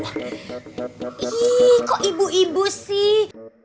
tapi kok ibu ibu sih